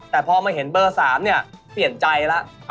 แต่พอมาเห็นเบอร์๓เนี่ยเปลี่ยนใจแล้ว